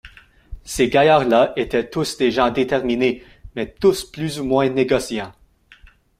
Ces gaillards-là étaient tous des gens déterminés, mais tous plus ou moins négociants.